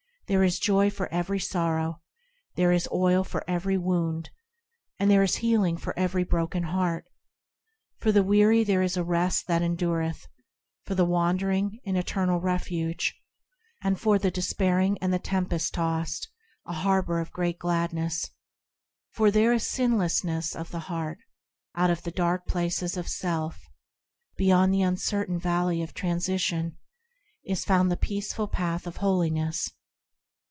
There is joy for every sorrow, This is oil for every wound, And there is healing for every broken heart. For the weary there is a rest that endureth, For the wandering an eternal refuge, And for the despairing and tempest tossed a harbour of great gladness, Fur there is sinlessness of heart. Out of the dark places of self, Beyond the uncertain valley of Transition, Is found the peaceful Path of Holiness.